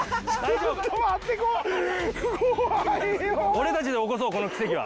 俺たちで起こそうこの奇跡は。